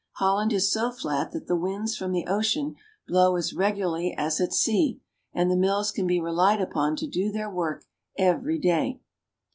Holland is so flat that the winds from the ocean blow as regularly as at sea, and the mills can be relied upon to do their work every day.